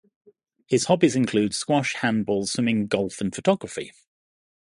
His hobbies included squash, handball, swimming, golf, and photography.